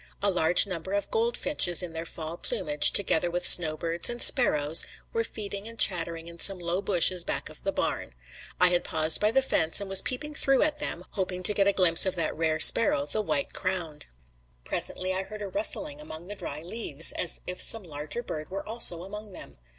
A large number of goldfinches in their fall plumage, together with snowbirds and sparrows, were feeding and chattering in some low bushes back of the barn. I had paused by the fence and was peeping through at them, hoping to get a glimpse of that rare sparrow, the white crowned. Presently I heard a rustling among the dry leaves as if some larger bird were also among them.